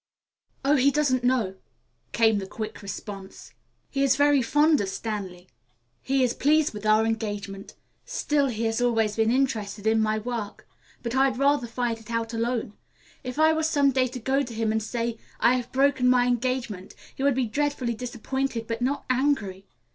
"Oh, he doesn't know," came the quick response. "He is very fond of Stanley. He is pleased with our engagement. Still he has always been interested in my work. But I'd rather fight it out alone. If I were some day to go to him and say, 'I have broken my engagement,' he would be dreadfully disappointed, but not angry.